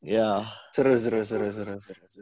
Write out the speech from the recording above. ya seru seru seru seru